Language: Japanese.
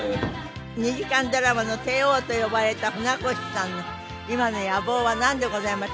２時間ドラマの帝王と呼ばれた船越さんの今の野望はなんでございましょうか？